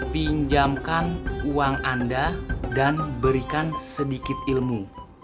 pinjamkan uang anda dan berikan sedikit ilmu